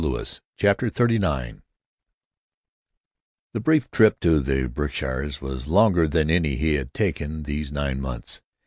CHAPTER XXXIX he brief trip to the Berkshires was longer than any he had taken these nine months.